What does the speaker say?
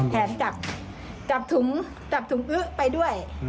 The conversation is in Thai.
แทนจับถุงอึ๊ะไปด้วย